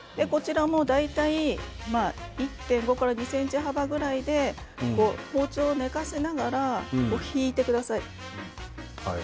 大体１．５から２ｃｍ幅くらいで包丁を寝かせながら引いてください。